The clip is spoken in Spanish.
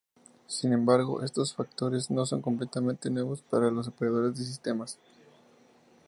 Sin embargo, estos factores no son completamente nuevos para los operadores de sistemas.